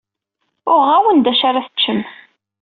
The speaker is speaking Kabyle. Uɣeɣ-awen-d d acu ara teččem.